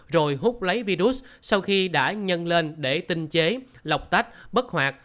rồi hút lấy virus sau khi đã nhân lên để tinh chế lọc tách bất hoạt